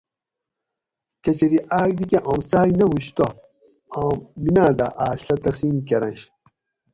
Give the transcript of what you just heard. کچری آک دی کہ آم څاۤک نہ ہوش تہ آم میناۤ دہ آۤس ڷھہ تقسیم کۤرنش